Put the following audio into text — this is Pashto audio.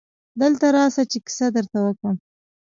دلته راسه چي کیسه درته وکم.